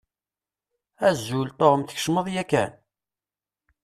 Azul, Tom, tkecmeḍ yakan?